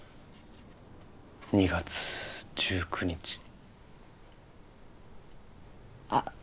２月１９日あっ